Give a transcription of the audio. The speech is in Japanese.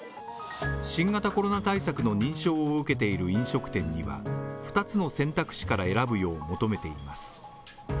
新型コロナ対策の認証を受けている飲食店には二つの選択肢から選ぶよう求めています。